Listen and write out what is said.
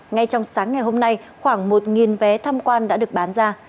ngay trong sáng ngày hôm nay khoảng một vé tham quan đã được bán ra